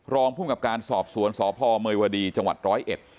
รองภูมิกับการสอบสวนสพเมยวดีจังหวัดร้อยเอ็ด